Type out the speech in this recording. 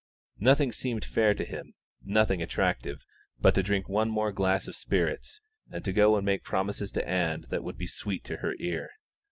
Nothing seemed fair to him, nothing attractive, but to drink one more glass of spirits, and to go and make promises to Ann that would be sweet to her ear.